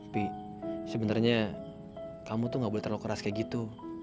pi sebenarnya kamu tuh gak boleh terlalu keras kayak gitu